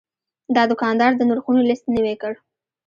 دا دوکاندار د نرخونو لیست نوي کړ.